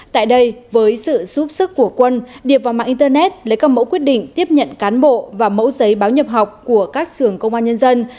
tại đây với sự giúp sức của quân điệp vào mạng internet lấy các mẫu quyết định tiếp nhận cán bộ và mẫu giấy báo nhập học của các trường công an nhân dân